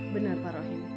benar pak rohin